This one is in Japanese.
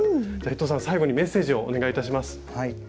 じゃ伊藤さん最後にメッセージをお願いいたします。